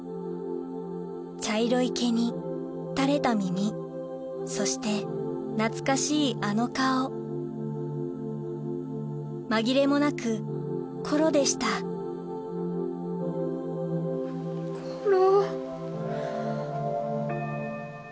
茶色い毛に垂れた耳そして懐かしいあの顔紛れもなくコロでしたコロ。